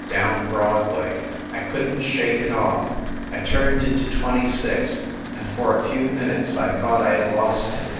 . down Broadway I couldn t shake it off. I turned into Twenty sixth, and for a few minutes I thought I had lost him.